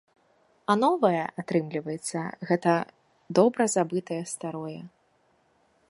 А новае, атрымліваецца, гэта добра забытае старое.